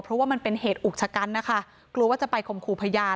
เพราะว่ามันเป็นเหตุอุกชะกันนะคะกลัวว่าจะไปข่มขู่พยาน